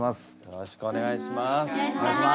よろしくお願いします。